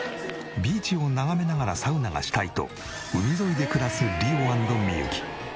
ビーチを眺めながらサウナがしたいと海沿いで暮らすリオ＆ミユキ。